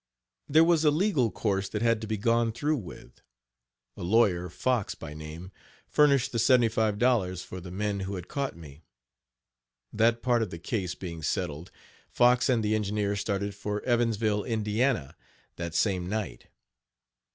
There was a legal course that had to be gone through with. A lawyer, Fox by name, furnished the $75.00 for the men who had caught me. That part of the case being settled, Fox and the engineer started for Evansville, Ind., that same night.